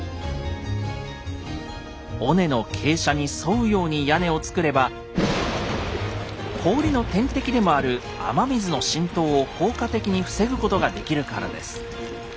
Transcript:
尾根の傾斜に沿うように屋根をつくれば氷の天敵でもある雨水の浸透を効果的に防ぐことができるからです。